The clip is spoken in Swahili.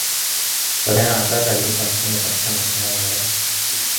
flaviana matata aliibuka mshindi katika mashindano ya urembo